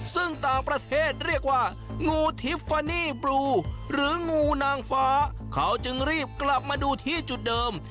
ซึ่งต่างประเทศเรียกว่างูทิฟฟานี่บลูหรืองูนางฟ้าเขาจึงรีบกลับมาดูที่จุดเดิม